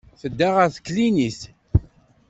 Tedda ɣer teklinit.